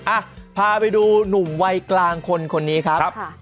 อ่ะพาไปดูหนุ่มวัยกลางคนคนนี้ครับ